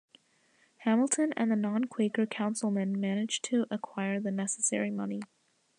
Hamilton and the non-Quaker councilmen managed to acquire the necessary money.